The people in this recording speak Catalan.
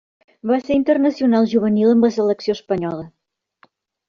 Va ser internacional juvenil amb la selecció espanyola.